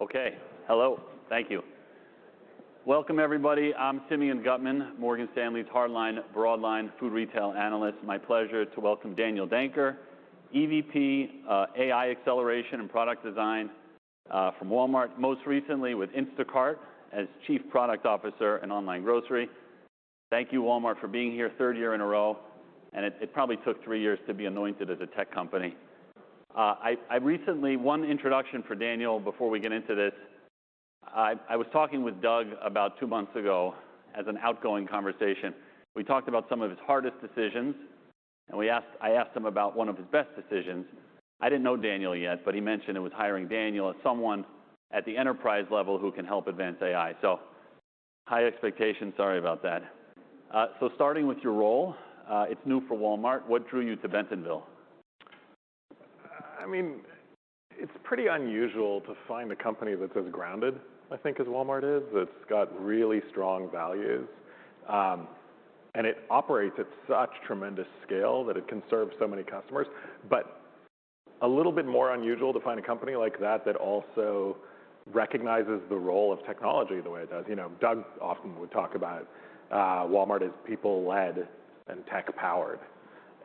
Okay. Hello. Thank you. Welcome, everybody. I'm Simeon Gutman, Morgan Stanley's hardline, broadline food retail analyst. My pleasure to welcome Daniel Danker, EVP, AI Acceleration and Product Design, from Walmart, most recently with Instacart as Chief Product Officer in online grocery. Thank you, Walmart, for being here third year in a row. It probably took three years to be anointed as a tech company. One introduction for Daniel before we get into this. I was talking with Doug about two months ago as an outgoing conversation. We talked about some of his hardest decisions. I asked him about one of his best decisions. I didn't know Daniel yet, he mentioned it was hiring Daniel as someone at the enterprise level who can help advance AI. High expectations, sorry about that. Starting with your role, it's new for Walmart. What drew you to Bentonville? I mean, it's pretty unusual to find a company that's as grounded, I think, as Walmart is, that's got really strong values. It operates at such tremendous scale that it can serve so many customers. A little bit more unusual to find a company like that that also recognizes the role of technology the way it does. You know, Doug often would talk about Walmart as people-led and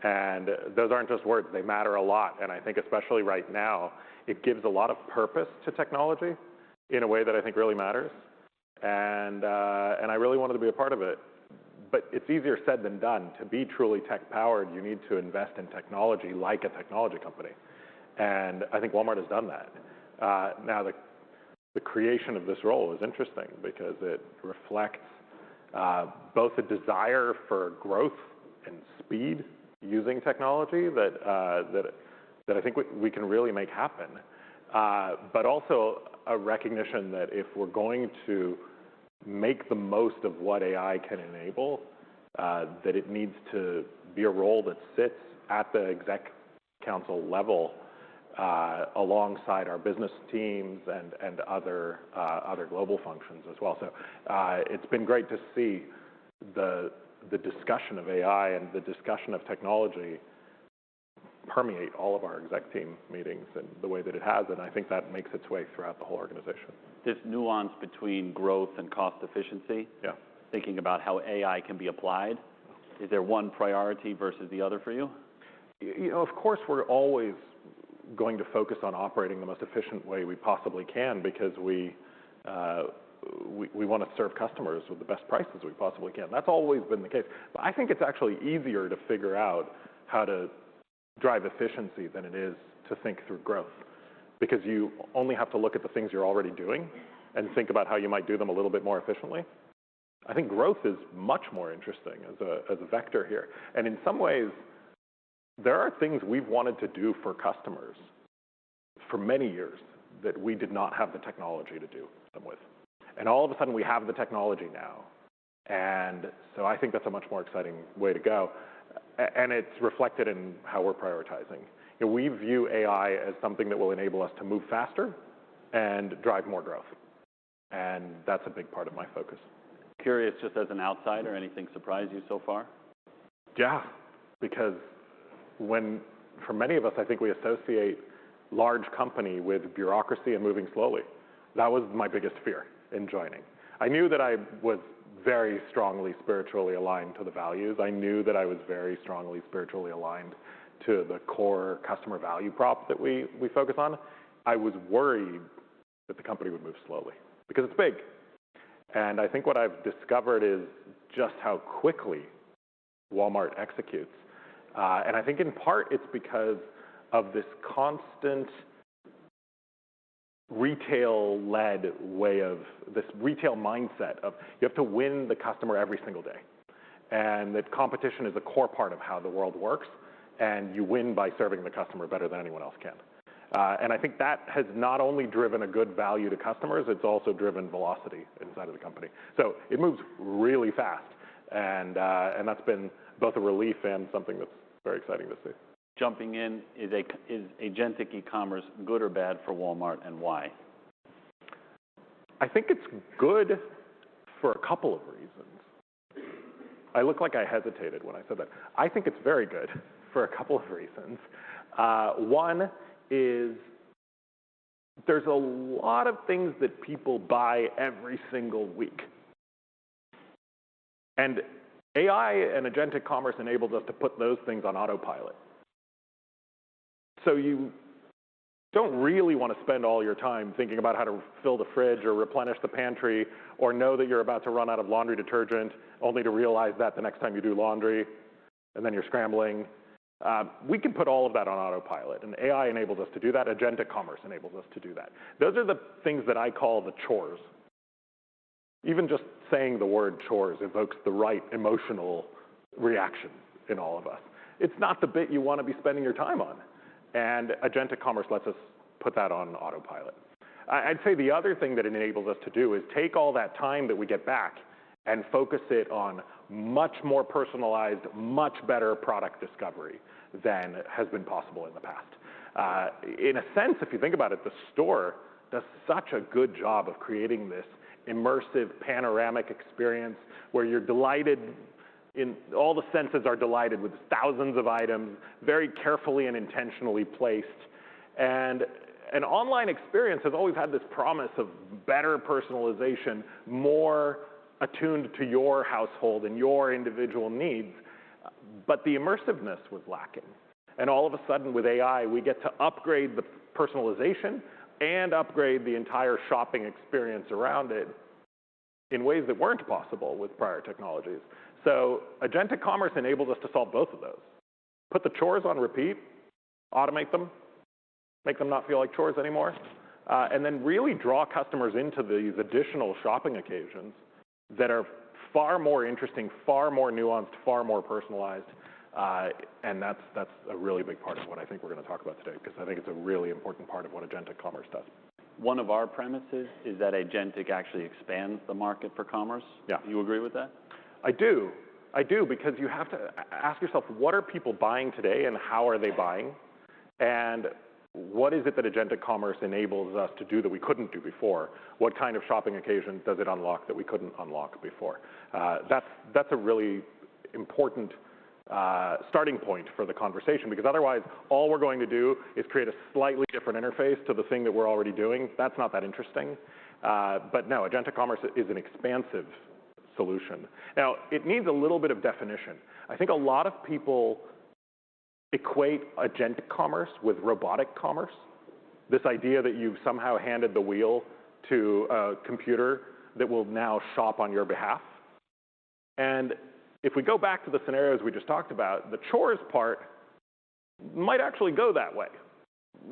tech-powered. Those aren't just words. They matter a lot, and I think especially right now, it gives a lot of purpose to technology in a way that I think really matters and I really wanted to be a part of it. It's easier said than done. To be truly tech-powered, you need to invest in technology like a technology company, and I think Walmart has done that. Now the creation of this role is interesting because it reflects both a desire for growth and speed using technology that I think we can really make happen. Also a recognition that if we're going to make the most of what AI can enable, that it needs to be a role that sits at the executive council level, alongside our business teams and other global functions as well. It's been great to see the discussion of AI and the discussion of technology permeate all of our exec team meetings in the way that it has, and I think that makes its way throughout the whole organization. This nuance between growth and cost efficiency. Yeah thinking about how AI can be applied, is there one priority versus the other for you? You know, of course, we're always going to focus on operating the most efficient way we possibly can because we wanna serve customers with the best prices we possibly can. That's always been the case. I think it's actually easier to figure out how to drive efficiency than it is to think through growth because you only have to look at the things you're already doing and think about how you might do them a little bit more efficiently. I think growth is much more interesting as a vector here. In some ways, there are things we've wanted to do for customers for many years that we did not have the technology to do them with, and all of a sudden, we have the technology now. I think that's a much more exciting way to go, and it's reflected in how we're prioritizing. We view AI as something that will enable us to move faster and drive more growth, and that's a big part of my focus. Curious, just as an outsider, anything surprise you so far? Yeah, because for many of us, I think we associate large company with bureaucracy and moving slowly. That was my biggest fear in joining. I knew that I was very strongly spiritually aligned to the values. I knew that I was very strongly spiritually aligned to the core customer value prop that we focus on. I was worried that the company would move slowly because it's big. I think what I've discovered is just how quickly Walmart executes. I think in part it's because of this constant retail-led this retail mindset of you have to win the customer every single day, and that competition is a core part of how the world works, and you win by serving the customer better than anyone else can. I think that has not only driven a good value to customers, it's also driven velocity inside of the company. It moves really fast and that's been both a relief and something that's very exciting to see. Jumping in, is agentic commerce good or bad for Walmart and why? I think it's good for a couple of reasons. I look like I hesitated when I said that. I think it's very good for a couple of reasons. One is there's a lot of things that people buy every single week, and AI and agentic commerce enables us to put those things on autopilot. You don't really wanna spend all your time thinking about how to fill the fridge or replenish the pantry, or know that you're about to run out of laundry detergent, only to realize that the next time you do laundry, and then you're scrambling. We can put all of that on autopilot, and AI enables us to do that. Agentic commerce enables us to do that. Those are the things that I call the chores. Even just saying the word chores evokes the right emotional reaction in all of us. It's not the bit you wanna be spending your time on. Agentic commerce lets us put that on autopilot. I'd say the other thing that enables us to do is take all that time that we get back and focus it on much more personalized, much better product discovery than has been possible in the past. In a sense, if you think about it, the store does such a good job of creating this immersive, panoramic experience where you're delighted in all the senses are delighted with thousands of items, very carefully and intentionally placed. An online experience has always had this promise of better personalization, more attuned to your household and your individual needs, but the immersiveness was lacking. All of a sudden, with AI, we get to upgrade the personalization and upgrade the entire shopping experience around it in ways that weren't possible with prior technologies. Agentic commerce enables us to solve both of those, put the chores on repeat, automate them, make them not feel like chores anymore, and then really draw customers into these additional shopping occasions that are far more interesting, far more nuanced, far more personalized. That's a really big part of what I think we're gonna talk about today 'cause I think it's a really important part of what agentic commerce does. One of our premises is that agentic actually expands the market for commerce. Yeah. Do you agree with that? I do. I do. Because you have to ask yourself, what are people buying today and how are they buying? What is it that agentic commerce enables us to do that we couldn't do before? What kind of shopping occasion does it unlock that we couldn't unlock before? That's, that's a really important starting point for the conversation, because otherwise all we're going to do is create a slightly different interface to the thing that we're already doing. That's not that interesting. No, agentic commerce is an expansive solution. Now, it needs a little bit of definition. I think a lot of people equate agentic commerce with robotic commerce. This idea that you've somehow handed the wheel to a computer that will now shop on your behalf. If we go back to the scenarios we just talked about, the chores part might actually go that way.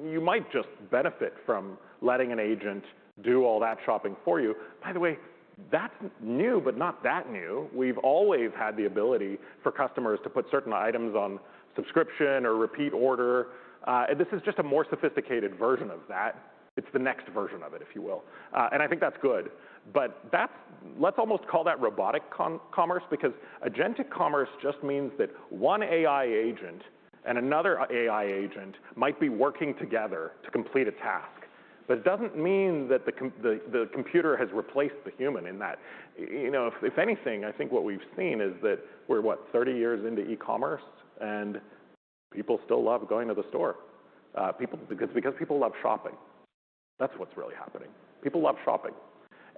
You might just benefit from letting an agent do all that shopping for you. By the way, that's new, but not that new. We've always had the ability for customers to put certain items on subscription or repeat order. This is just a more sophisticated version of that. It's the next version of it, if you will. I think that's good. That's let's almost call that robotic commerce, because agentic commerce just means that one AI agent and another AI agent might be working together to complete a task. It doesn't mean that the computer has replaced the human in that. You know, if anything, I think what we've seen is that we're, what? 30 years into e-commerce, and people still love going to the store. because people love shopping. That's what's really happening. People love shopping.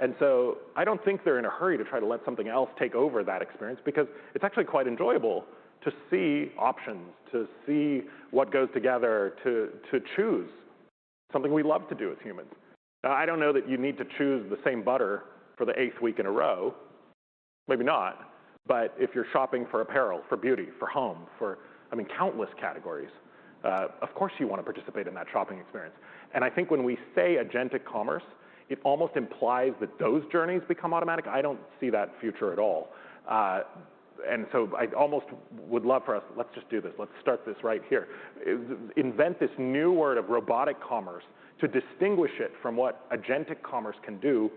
I don't think they're in a hurry to try to let something else take over that experience because it's actually quite enjoyable to see options, to see what goes together, to choose. Something we love to do as humans. I don't know that you need to choose the same butter for the eighth week in a row. Maybe not. But if you're shopping for apparel, for beauty, for home, for, I mean, countless categories, of course you wanna participate in that shopping experience. I think when we say agentic commerce, it almost implies that those journeys become automatic. I don't see that future at all. I almost would love for us, let's just do this. Let's start this right here. Invent this new word of robotic commerce to distinguish it from what agentic commerce can do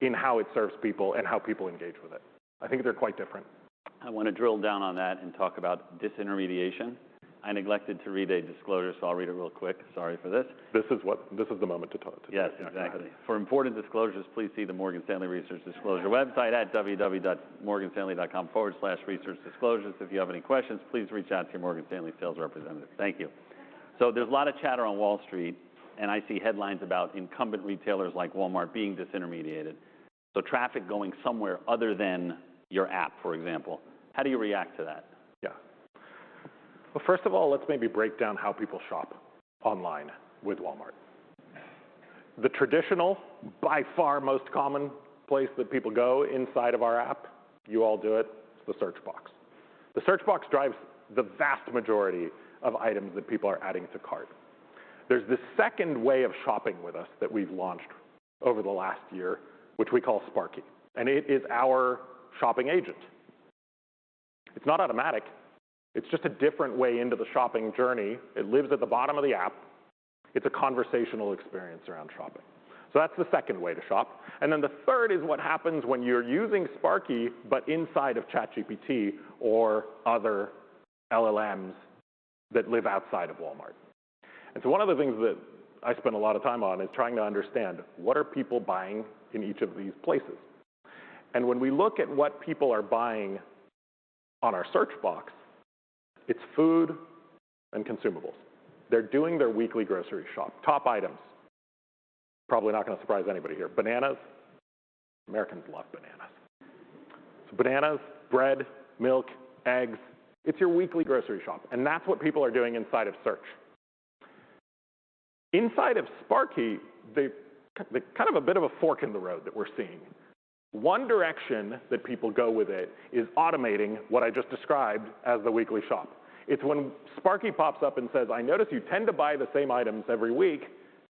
in how it serves people and how people engage with it. I think they're quite different. I wanna drill down on that and talk about disintermediation. I neglected to read a disclosure, so I'll read it real quick. Sorry for this. This is the moment to talk. Yes, exactly. For important disclosures, please see the Morgan Stanley Research Disclosure website at www.morganstanley.com/researchdisclosures. If you have any questions, please reach out to your Morgan Stanley sales representative. Thank you. There's a lot of chatter on Wall Street, and I see headlines about incumbent retailers like Walmart being disintermediated, so traffic going somewhere other than your app, for example. How do you react to that? Well, first of all, let's maybe break down how people shop online with Walmart. The traditional, by far most common place that people go inside of our app, you all do it's the search box. The search box drives the vast majority of items that people are adding to cart. There's this second way of shopping with us that we've launched over the last year, which we call Sparky, and it is our shopping agent. It's not automatic. It's just a different way into the shopping journey. It lives at the bottom of the app. It's a conversational experience around shopping. That's the second way to shop. The third is what happens when you're using Sparky, but inside of ChatGPT or other LLMs that live outside of Walmart. One of the things that I spend a lot of time on is trying to understand what are people buying in each of these places. When we look at what people are buying on our search box, it's food and consumables. They're doing their weekly grocery shop. Top items, probably not going to surprise anybody here. Bananas. Americans love bananas. Bananas, bread, milk, eggs. It's your weekly grocery shop, and that's what people are doing inside of search. Inside of Sparky, the kind of a bit of a fork in the road that we're seeing. One direction that people go with it is automating what I just described as the weekly shop. It's when Sparky pops up and says, "I notice you tend to buy the same items every week.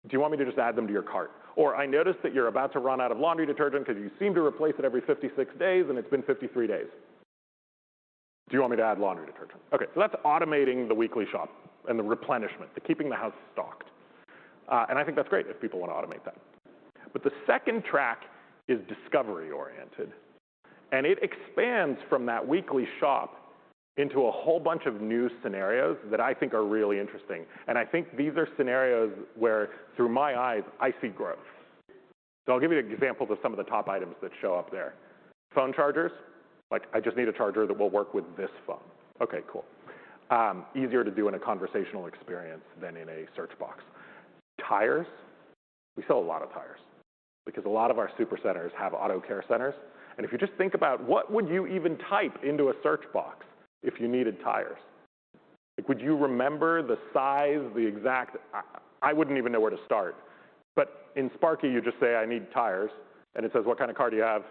Do you want me to just add them to your cart?" "I notice that you're about to run out of laundry detergent because you seem to replace it every 56 days, and it's been 53 days. Do you want me to add laundry detergent?" Okay. That's automating the weekly shop and the replenishment, the keeping the house stocked. I think that's great if people wanna automate that. The second track is discovery-oriented, and it expands from that weekly shop into a whole bunch of new scenarios that I think are really interesting. I think these are scenarios where, through my eyes, I see growth. I'll give you examples of some of the top items that show up there. Phone chargers, like I just need a charger that will work with this phone. Okay, cool. Easier to do in a conversational experience than in a search box. Tires, we sell a lot of tires because a lot of our super centers have Auto Care Centers. If you just think about what would you even type into a search box if you needed tires? Like, would you remember the size, the exact... I wouldn't even know where to start. In Sparky, you just say, "I need tires." It says, "What kind of car do you have?"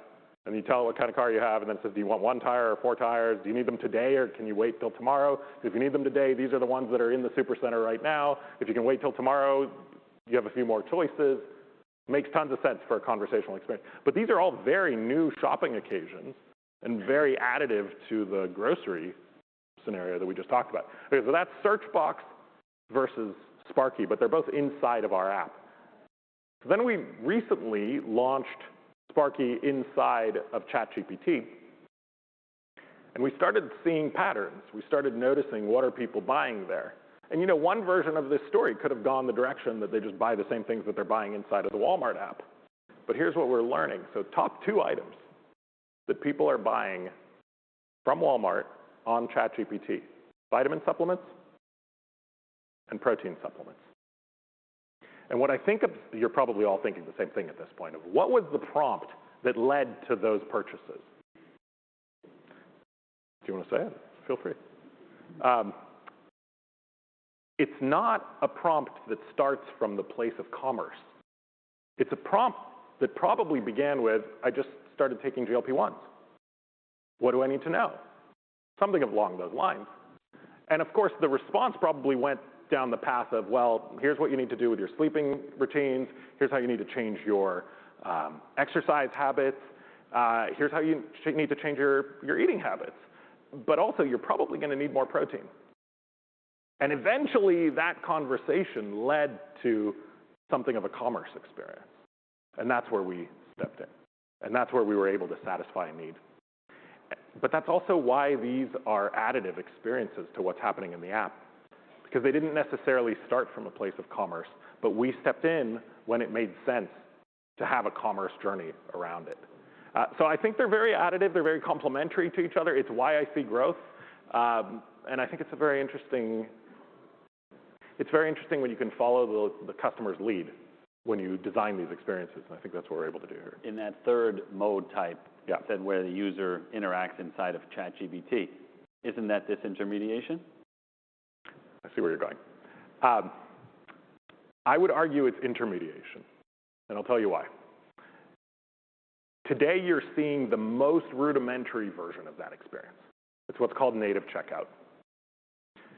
You tell it what kind of car you have, and then it says, "Do you want one tire or four tires? Do you need them today, or can you wait till tomorrow? If you need them today, these are the ones that are in the super center right now. If you can wait till tomorrow, you have a few more choices. Makes tons of sense for a conversational experience. These are all very new shopping occasions and very additive to the grocery scenario that we just talked about. That's search box versus Sparky, but they're both inside of our app. We recently launched Sparky inside of ChatGPT, and we started seeing patterns. We started noticing what are people buying there. You know, one version of this story could have gone the direction that they just buy the same things that they're buying inside of the Walmart app. Here's what we're learning. Top two items that people are buying from Walmart on ChatGPT, vitamin supplements and protein supplements. You're probably all thinking the same thing at this point, of what was the prompt that led to those purchases? Do you wanna say it? Feel free. It's not a prompt that starts from the place of commerce. It's a prompt that probably began with, "I just started taking GLP-1. What do I need to know?" Something along those lines. Of course, the response probably went down the path of, "Well, here's what you need to do with your sleeping routines. Here's how you need to change your exercise habits. Here's how you need to change your eating habits. Also, you're probably gonna need more protein." Eventually, that conversation led to something of a commerce experience, and that's where we stepped in, and that's where we were able to satisfy a need. That's also why these are additive experiences to what's happening in the app, because they didn't necessarily start from a place of commerce, but we stepped in when it made sense to have a commerce journey around it. I think they're very additive. They're very complementary to each other. It's why I see growth. I think it's very interesting when you can follow the customer's lead when you design these experiences, and I think that's what we're able to do here. In that third mode. Yeah. than where the user interacts inside of ChatGPT, isn't that disintermediation? I see where you're going. I would argue it's intermediation. I'll tell you why. Today, you're seeing the most rudimentary version of that experience. It's what's called native checkout.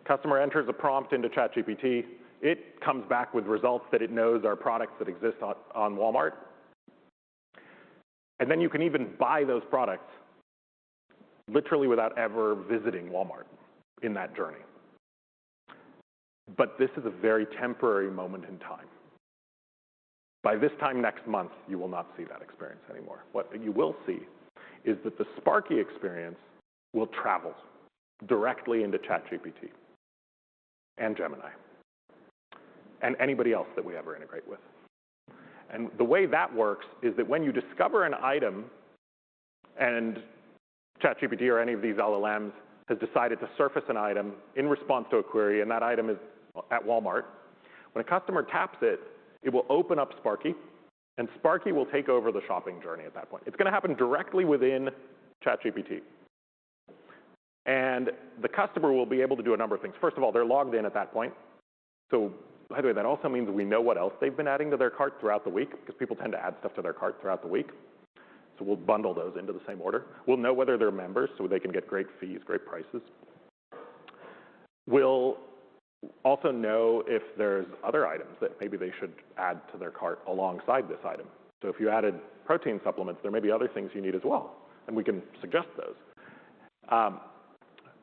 Customer enters a prompt into ChatGPT. It comes back with results that it knows are products that exist on Walmart. You can even buy those products literally without ever visiting Walmart in that journey. This is a very temporary moment in time. By this time next month, you will not see that experience anymore. You will see is that the Sparky experience will travel directly into ChatGPT and Gemini and anybody else that we ever integrate with. The way that works is that when you discover an item and ChatGPT or any of these LLMs has decided to surface an item in response to a query, and that item is at Walmart, when a customer taps it will open up Sparky, and Sparky will take over the shopping journey at that point. It's gonna happen directly within ChatGPT, and the customer will be able to do a number of things. First of all, they're logged in at that point. By the way, that also means that we know what else they've been adding to their cart throughout the week 'cause people tend to add stuff to their cart throughout the week. We'll bundle those into the same order. We'll know whether they're members, so they can get great fees, great prices. We'll also know if there's other items that maybe they should add to their cart alongside this item. If you added protein supplements, there may be other things you need as well, and we can suggest those.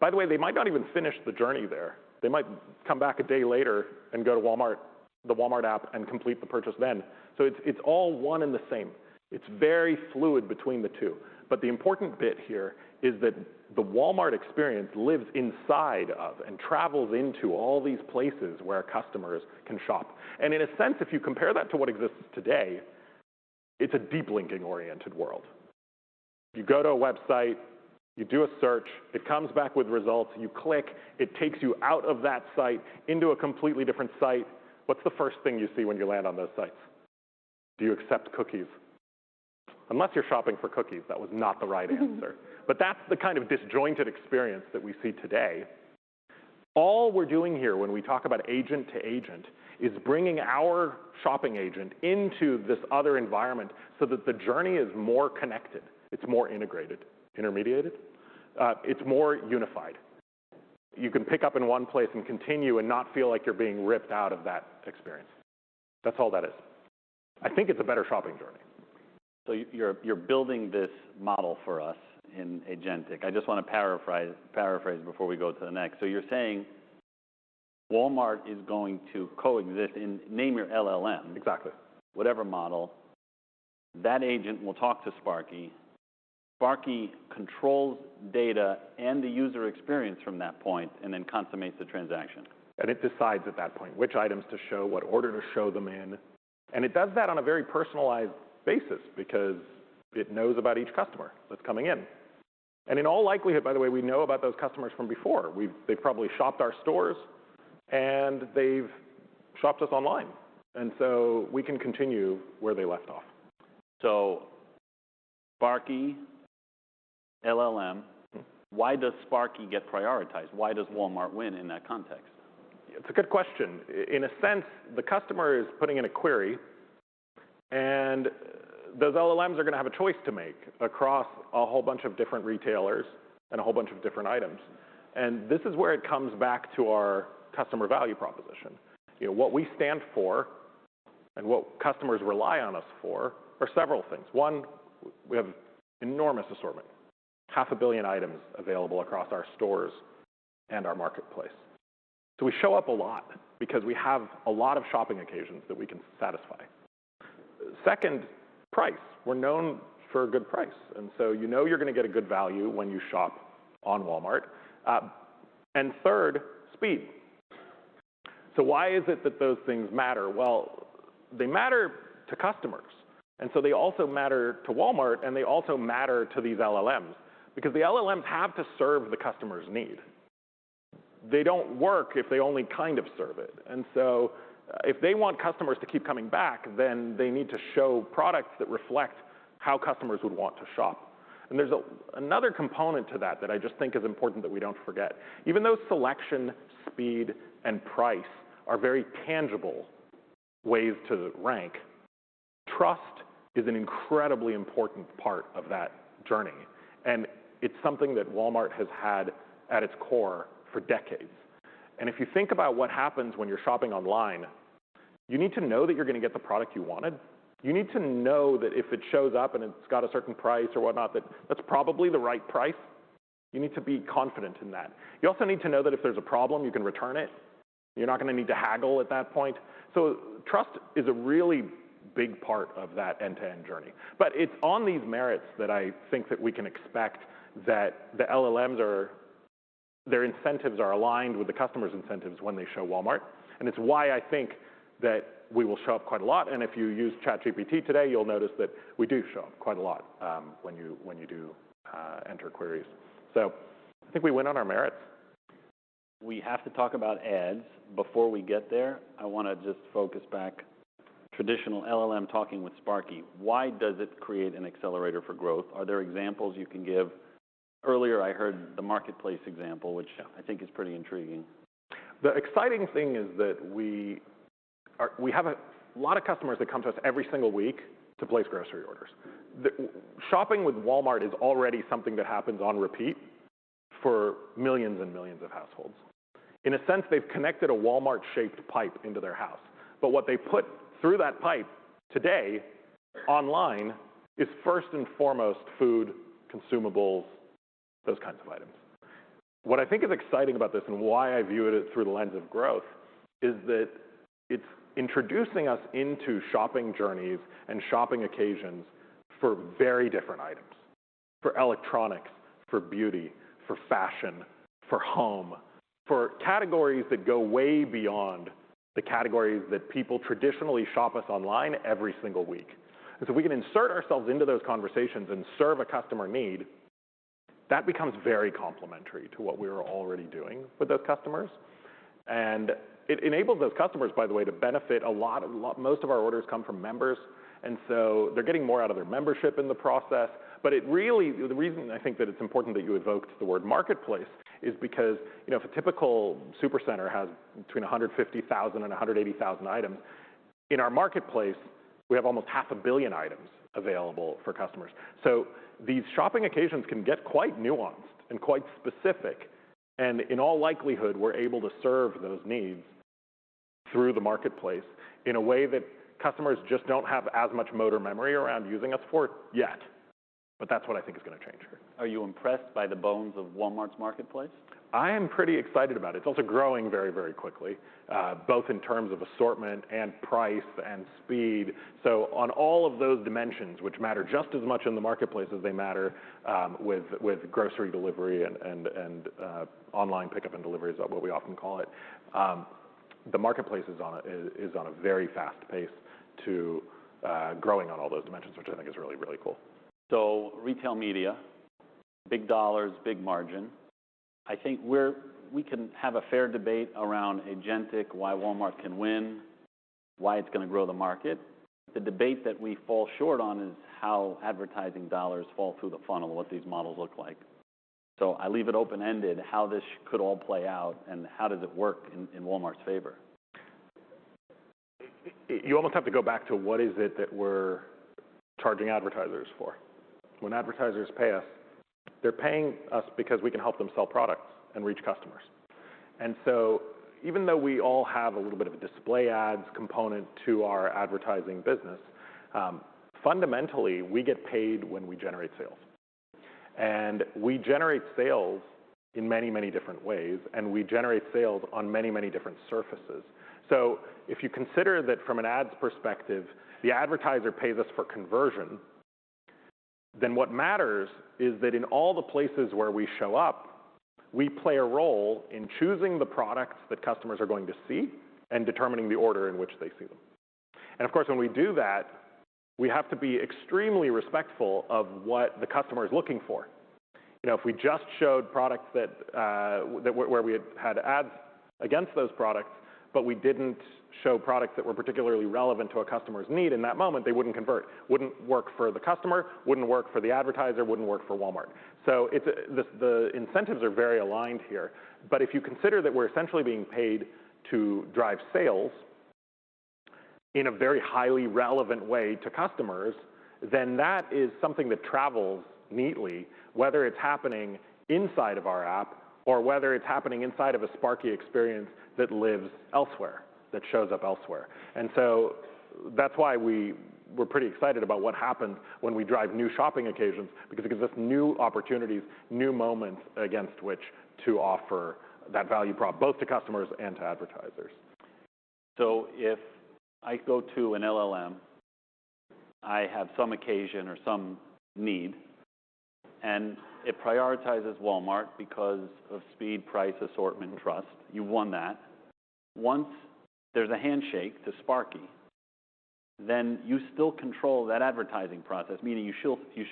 By the way, they might not even finish the journey there. They might come back a day later and go to Walmart, the Walmart app and complete the purchase then. It's all one and the same. It's very fluid between the two. The important bit here is that the Walmart experience lives inside of and travels into all these places where customers can shop. In a sense, if you compare that to what exists today, it's a deep linking-oriented world. You go to a website, you do a search, it comes back with results, you click, it takes you out of that site into a completely different site. What's the first thing you see when you land on those sites? Do you accept cookies? Unless you're shopping for cookies, that was not the right answer. That's the kind of disjointed experience that we see today. All we're doing here when we talk about agent to agent is bringing our shopping agent into this other environment so that the journey is more connected. It's more integrated, intermediated. It's more unified. You can pick up in one place and continue and not feel like you're being ripped out of that experience. That's all that is. I think it's a better shopping journey. You're building this model for us in agentic. I just wanna paraphrase before we go to the next. You're saying Walmart is going to coexist in name your LLM? Exactly. Whatever model, that agent will talk to Sparky controls data and the user experience from that point, and then consummates the transaction. It decides at that point which items to show, what order to show them in. It does that on a very personalized basis because it knows about each customer that's coming in. In all likelihood, by the way, we know about those customers from before. They've probably shopped our stores, and they've shopped us online. We can continue where they left off. Sparky, LLM. Why does Sparky get prioritized? Why does Walmart win in that context? It's a good question. In a sense, the customer is putting in a query, those LLMs are gonna have a choice to make across a whole bunch of different retailers and a whole bunch of different items. This is where it comes back to our customer value proposition. You know, what we stand for and what customers rely on us for are several things. One, we have enormous assortment, half a billion items available across our stores and our Marketplace. We show up a lot because we have a lot of shopping occasions that we can satisfy. Second, price. We're known for a good price, you know you're gonna get a good value when you shop on Walmart. Third, speed. Why is it that those things matter? They matter to customers, they also matter to Walmart, they also matter to these LLMs because the LLMs have to serve the customer's need. They don't work if they only kind of serve it. If they want customers to keep coming back, then they need to show products that reflect how customers would want to shop. There's another component to that that I just think is important that we don't forget. Even though selection, speed, and price are very tangible ways to rank, trust is an incredibly important part of that journey, and it's something that Walmart has had at its core for decades. If you think about what happens when you're shopping online, you need to know that you're gonna get the product you wanted. You need to know that if it shows up and it's got a certain price or whatnot, that that's probably the right price. You need to be confident in that. You also need to know that if there's a problem, you can return it. You're not gonna need to haggle at that point. Trust is a really big part of that end-to-end journey. It's on these merits that I think that we can expect that the LLMs their incentives are aligned with the customer's incentives when they show Walmart, and it's why I think that we will show up quite a lot. If you use ChatGPT today, you'll notice that we do show up quite a lot, when you do enter queries. I think we win on our merits. We have to talk about ads. Before we get there, I wanna just focus back. Traditional LLM talking with Sparky, why does it create an accelerator for growth? Are there examples you can give? Earlier, I heard the Marketplace example, which I think is pretty intriguing. The exciting thing is that we have a lot of customers that come to us every single week to place grocery orders. Shopping with Walmart is already something that happens on repeat for millions and millions of households. In a sense, they've connected a Walmart-shaped pipe into their house, but what they put through that pipe today online is first and foremost food, consumables, those kinds of items. What I think is exciting about this and why I view it through the lens of growth is that it's introducing us into shopping journeys and shopping occasions for very different items. For electronics, for beauty, for fashion, for home, for categories that go way beyond the categories that people traditionally shop us online every single week. If we can insert ourselves into those conversations and serve a customer need, that becomes very complementary to what we were already doing with those customers. It enables those customers, by the way, to benefit a lot, most of our orders come from members, and so they're getting more out of their membership in the process. The reason I think that it's important that you evoked the word Marketplace is because, you know, if a typical supercenter has between 150,000 and 180,000 items, in our Marketplace, we have almost half a billion items available for customers. These shopping occasions can get quite nuanced and quite specific, and in all likelihood, we're able to serve those needs through the Marketplace in a way that customers just don't have as much motor memory around using us for yet, but that's what I think is gonna change here. Are you impressed by the bones of Walmart's Marketplace? I am pretty excited about it. It's also growing very, very quickly, both in terms of assortment and price and speed. On all of those dimensions, which matter just as much in the Marketplace as they matter with grocery delivery and online pickup and delivery is what we often call it. The Marketplace is on a very fast pace to growing on all those dimensions, which I think is really, really cool. Retail media, big dollars, big margin. I think we can have a fair debate around agentic, why Walmart can win, why it's gonna grow the market. The debate that we fall short on is how advertising dollars fall through the funnel, what these models look like. I leave it open-ended how this could all play out and how does it work in Walmart's favor. You almost have to go back to what is it that we're charging advertisers for. When advertisers pay us, they're paying us because we can help them sell products and reach customers. Even though we all have a little bit of a display ads component to our advertising business, fundamentally, we get paid when we generate sales. We generate sales in many, many different ways, and we generate sales on many, many different surfaces. If you consider that from an ads perspective, the advertiser pays us for conversion, then what matters is that in all the places where we show up, we play a role in choosing the products that customers are going to see and determining the order in which they see them. Of course, when we do that, we have to be extremely respectful of what the customer is looking for. You know, if we just showed products that where we had ads against those products, but we didn't show products that were particularly relevant to a customer's need in that moment, they wouldn't convert. Wouldn't work for the customer, wouldn't work for the advertiser, wouldn't work for Walmart. It's the incentives are very aligned here. If you consider that we're essentially being paid to drive sales in a very highly relevant way to customers, then that is something that travels neatly, whether it's happening inside of our app or whether it's happening inside of a Sparky experience that lives elsewhere, that shows up elsewhere. That's why we're pretty excited about what happens when we drive new shopping occasions, because it gives us new opportunities, new moments against which to offer that value prop, both to customers and to advertisers. If I go to an LLM, I have some occasion or some need, and it prioritizes Walmart because of speed, price, assortment, trust. You've won that. Once there's a handshake to Sparky, you still control that advertising process, meaning you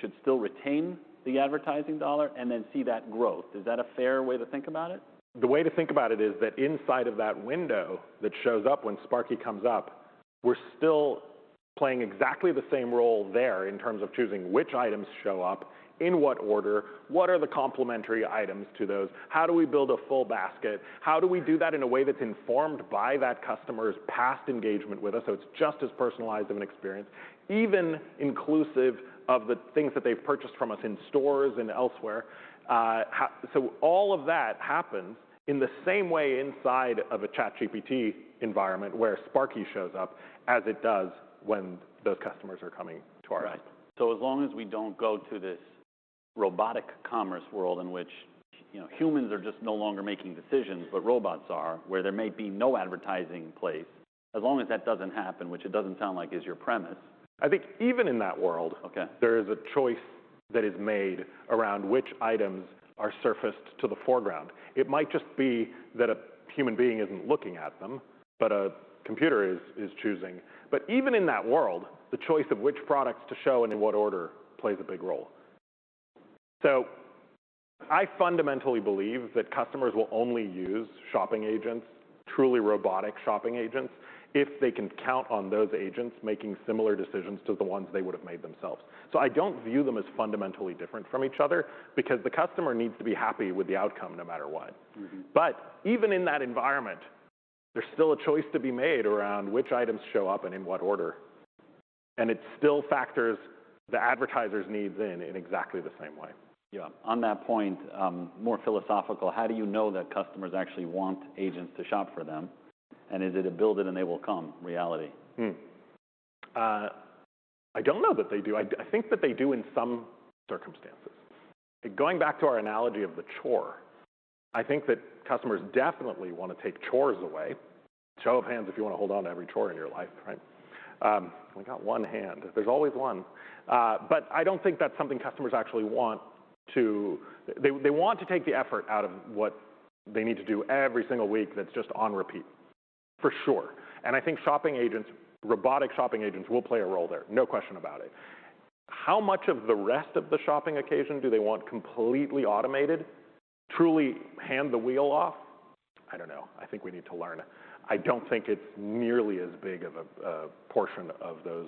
should still retain the advertising dollar and then see that growth. Is that a fair way to think about it? The way to think about it is that inside of that window that shows up when Sparky comes up, we're still playing exactly the same role there in terms of choosing which items show up in what order, what are the complementary items to those? How do we build a full basket? How do we do that in a way that's informed by that customer's past engagement with us, so it's just as personalized of an experience, even inclusive of the things that they've purchased from us in stores and elsewhere. All of that happens in the same way inside of a ChatGPT environment where Sparky shows up as it does when those customers are coming to our app. Right. As long as we don't go to this robotic commerce world in which, you know, humans are just no longer making decisions, but robots are, where there may be no advertising in place, as long as that doesn't happen, which it doesn't sound like is your premise. I think even in that world. Okay ...there is a choice that is made around which items are surfaced to the foreground. It might just be that a human being isn't looking at them, but a computer is choosing. Even in that world, the choice of which products to show and in what order plays a big role. I fundamentally believe that customers will only use shopping agents, truly robotic shopping agents, if they can count on those agents making similar decisions to the ones they would have made themselves. I don't view them as fundamentally different from each other because the customer needs to be happy with the outcome no matter what. Even in that environment, there's still a choice to be made around which items show up and in what order. It still factors the advertiser's needs in exactly the same way. Yeah. On that point, more philosophical, how do you know that customers actually want agents to shop for them? Is it a build it and they will come reality? I don't know that they do. I think that they do in some circumstances. Going back to our analogy of the chore, I think that customers definitely wanna take chores away. Show of hands if you wanna hold on to every chore in your life, right? We got one hand. There's always one. I don't think that's something customers actually want to take the effort out of what they need to do every single week that's just on repeat. For sure. I think shopping agents, robotic shopping agents will play a role there, no question about it. How much of the rest of the shopping occasion do they want completely automated, truly hand the wheel off? I don't know. I think we need to learn. I don't think it's nearly as big of a portion of those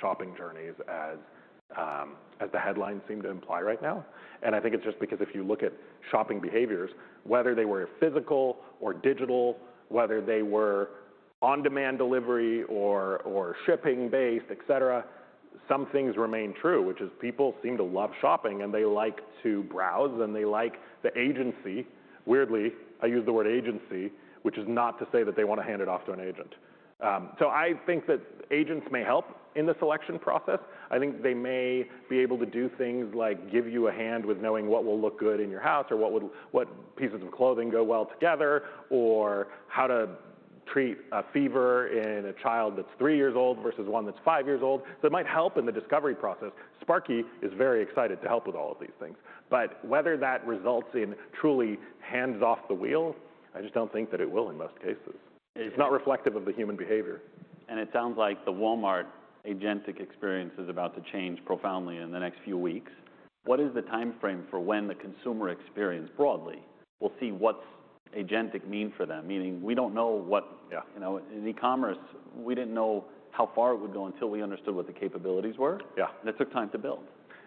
shopping journeys as the headlines seem to imply right now. I think it's just because if you look at shopping behaviors, whether they were physical or digital, whether they were on-demand delivery or shipping-based, et cetera, some things remain true, which is people seem to love shopping and they like to browse and they like the agency. Weirdly, I use the word agency, which is not to say that they want to hand it off to an agent. I think that agents may help in the selection process. I think they may be able to do things like give you a hand with knowing what will look good in your house or what would, what pieces of clothing go well together, or how to treat a fever in a child that's 3 years old versus one that's 5 years old. That might help in the discovery process. Sparky is very excited to help with all of these things. Whether that results in truly hands off the wheel, I just don't think that it will in most cases. It's not reflective of the human behavior. It sounds like the Walmart agentic experience is about to change profoundly in the next few weeks. What is the timeframe for when the consumer experience broadly will see what's agentic mean for them? Meaning, we don't know. Yeah ...you know, in e-commerce, we didn't know how far it would go until we understood what the capabilities were. Yeah. It took time to build.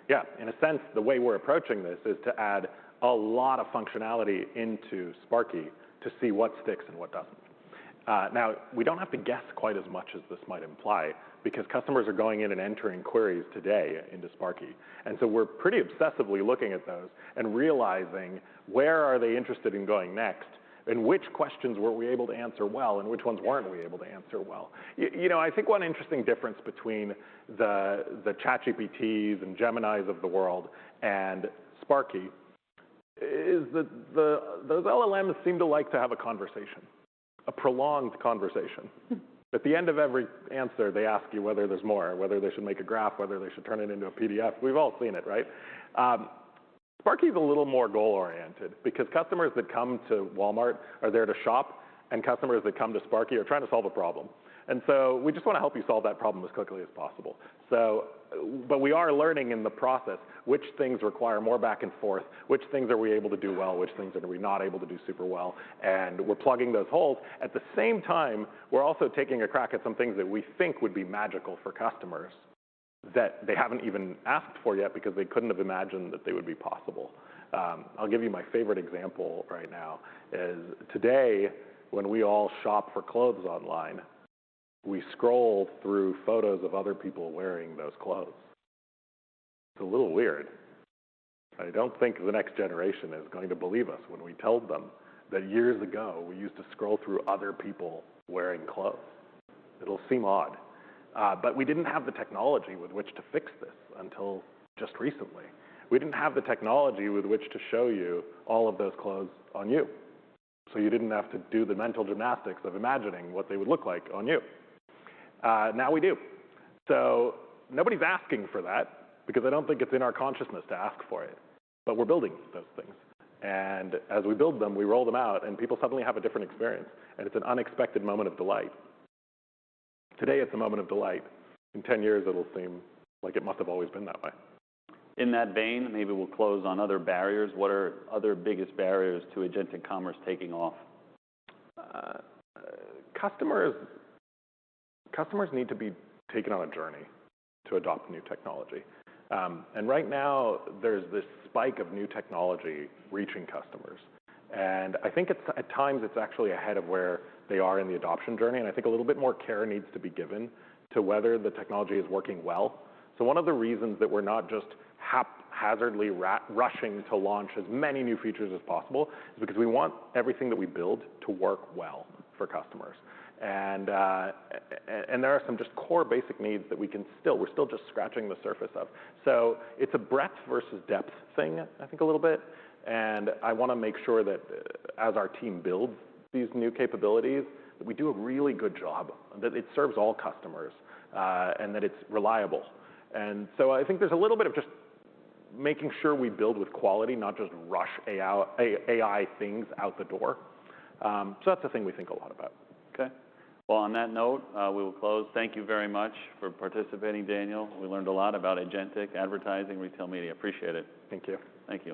Yeah. In a sense, the way we're approaching this is to add a lot of functionality into Sparky to see what sticks and what doesn't. Now, we don't have to guess quite as much as this might imply because customers are going in and entering queries today into Sparky. So we're pretty obsessively looking at those and realizing where are they interested in going next? Which questions were we able to answer well, and which ones weren't we able to answer well? You know, I think one interesting difference between the ChatGPTs and Geminis of the world and Sparky is that those LLMs seem to like to have a conversation, a prolonged conversation. At the end of every answer, they ask you whether there's more, whether they should make a graph, whether they should turn it into a PDF. We've all seen it, right? Sparky's a little more goal-oriented because customers that come to Walmart are there to shop. Customers that come to Sparky are trying to solve a problem. We just wanna help you solve that problem as quickly as possible. We are learning in the process which things require more back and forth, which things are we able to do well, which things are we not able to do super well. We're plugging those holes. At the same time, we're also taking a crack at some things that we think would be magical for customers that they haven't even asked for yet because they couldn't have imagined that they would be possible. I'll give you my favorite example right now is today when we all shop for clothes online, we scroll through photos of other people wearing those clothes. It's a little weird. I don't think the next generation is going to believe us when we tell them that years ago, we used to scroll through other people wearing clothes. It'll seem odd. We didn't have the technology with which to fix this until just recently. We didn't have the technology with which to show you all of those clothes on you, so you didn't have to do the mental gymnastics of imagining what they would look like on you. Now we do. Nobody's asking for that because I don't think it's in our consciousness to ask for it, but we're building those things and as we build them, we roll them out and people suddenly have a different experience, and it's an unexpected moment of delight. Today it's a moment of delight. In 10 years it'll seem like it must have always been that way. In that vein, maybe we'll close on other barriers. What are other biggest barriers to agentic commerce taking off? Customers need to be taken on a journey to adopt new technology. Right now there's this spike of new technology reaching customers, and I think it's, at times it's actually ahead of where they are in the adoption journey, and I think a little bit more care needs to be given to whether the technology is working well. One of the reasons that we're not just haphazardly rushing to launch as many new features as possible is because we want everything that we build to work well for customers. There are some just core basic needs that we're still just scratching the surface of. It's a breadth versus depth thing, I think a little bit, and I wanna make sure that as our team builds these new capabilities, that we do a really good job, that it serves all customers, and that it's reliable. I think there's a little bit of just making sure we build with quality, not just rush AI things out the door. That's a thing we think a lot about. Okay. Well, on that note, we will close. Thank you very much for participating, Daniel. We learned a lot about agentic advertising, retail media. Appreciate it. Thank you. Thank you.